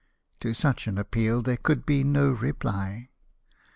To such an appeal there could be no reply.